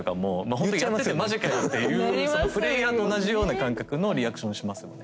ほんとやって「マジかよ」っていうそのプレイヤーと同じような感覚のリアクションをしますもん。